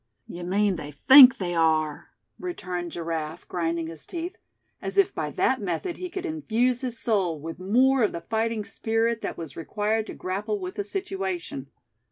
"You mean they think they are," returned Giraffe, grinding his teeth, as if by that method he could infuse his soul with more of the fighting spirit that was required to grapple with the situation.